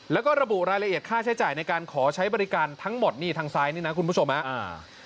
แล้วก็ระบุรายละเอียดค่าใช้จ่ายในการขอใช้บริการทั้งหมดนี่ทางซ้ายนี่นะคุณผู้ชมฮะอ่า